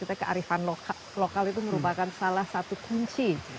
kita kearifan lokal itu merupakan salah satu kunci